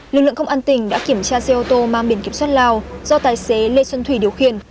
lực lượng công an tỉnh đã kiểm tra xe ô tô mang biển kiểm soát lào do tài xế lê xuân thủy điều khiển